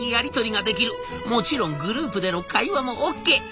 もちろんグループでの会話もオーケー。